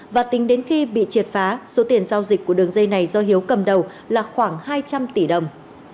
và tính đến khi bị triệt phá số tiền giao dịch của đường dây này do hiếu cầm đầu là khoảng hai trăm linh tỷ đồng